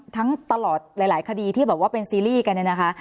ทั้งตลอดหลายคดีที่บอกว่าเป็นซีรีย์กันนะคะ